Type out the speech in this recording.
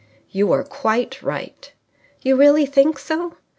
"You were quite right." "You really think so?"